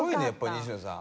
西野さん